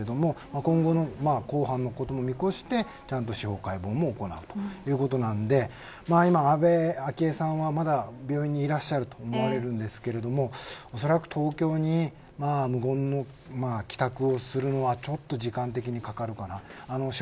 今後の公判の事も見越してちゃんと司法解剖も行うということなので安倍昭恵さんは、まだ病院にいらっしゃると思われますがおそらく東京に無言の帰宅をするのは時間的にかかるかなと思います。